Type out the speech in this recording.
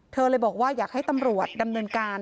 เลยบอกว่าอยากให้ตำรวจดำเนินการ